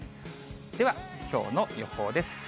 では、きょうの予報です。